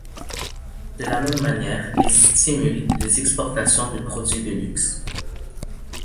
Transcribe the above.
De la même manière, il stimule les exportations de produits de luxe.